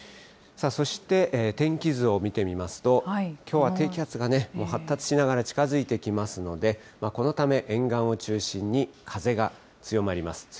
そして、天気図を見てみますと、きょうは低気圧がね、発達しながら近づいてきますので、このため、沿岸を中心に風が強まります。